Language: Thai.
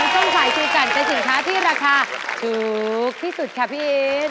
เป็นสินค้าที่ราคาถูกที่สุดค่ะพี่อิน